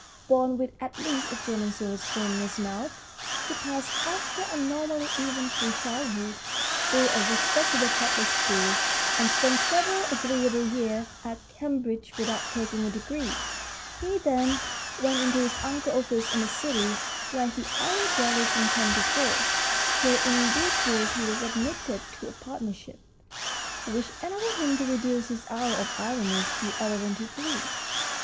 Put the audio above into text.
Born with at least a German silver spoon in his mouth, he passed, after a normally eventful childhood, through a respectable public school, and spent several agreeable years at Cam bridge without taking a degree. He then went into his uncle's office in the City, where he idled daily from ten to four, till in due course he was admitted to a partnership, which enabled him to reduce his hours of idleness to eleven to three.